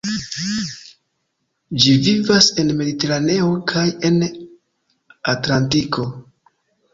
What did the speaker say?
Ĝi vivas en Mediteraneo kaj en Atlantiko.